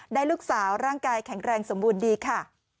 ได้ลูกสาวร่างกายแข็งแรงสมบูรณ์ดีค่ะ